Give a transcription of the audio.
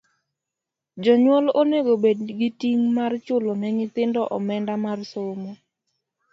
jonyuol onego bed gi ting' mar chulo ne nyithindo omenda mar somo.